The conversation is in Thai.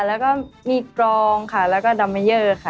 แล้วก็มีกรองค่ะแล้วก็ดอมเมเยอร์ค่ะ